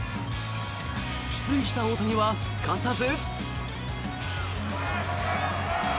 出塁した大谷はすかさず。